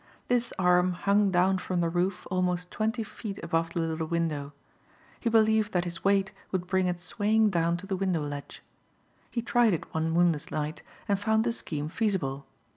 This arm hung down from the roof almost twenty feet above the little window. He believed that his weight would bring it swaying down to the window ledge. He tried it one moonless night and found the scheme feasible.